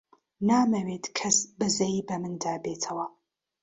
نامەوێت کەس بەزەیی بە مندا بێتەوە.